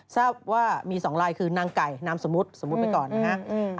ทราบว่ามี๒ลายคือนางไก่นามสมมุติสมมุติไปก่อนนะฮะ